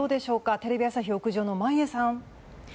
テレビ朝日屋上の眞家さん。